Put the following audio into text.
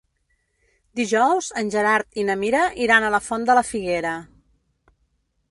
Dijous en Gerard i na Mira iran a la Font de la Figuera.